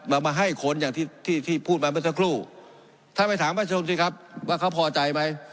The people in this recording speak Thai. มาให้คนอย่างที่พูดมาเมื่อสักครู่ถ้าไม่ถามว่าเชิงสิครับว่าเขาพอใจไหม